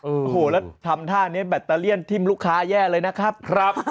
โอ้โหแล้วทำท่านี้แบตเตอเลี่ยนทิ้มลูกค้าแย่เลยนะครับ